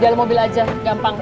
di dalem mobil aja gampang